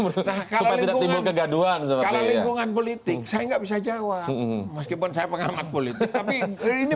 berhubung kegaduhan sepertinya politik saya nggak bisa jawab meskipun saya pengamak politik ini